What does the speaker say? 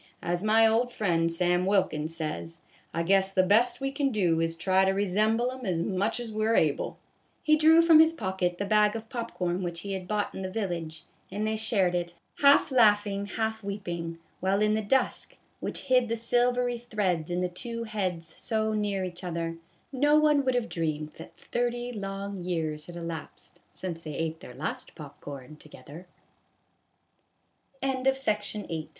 As my old friend, Sam Wilkins, says, I guess the best we can do is to try to resemble 'em as much as we 're able." He drew from his pocket the bag of pop corn which he had bought in the village, and they shared A BAG OF POP CORN. I 77 it, half laughing, half weeping, while in the dusk, which hid the silvery threads in the two heads so near each other, no one would have dreamed that thirty long years had elapsed since they ate their last pop co